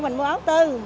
mình mua ấu tư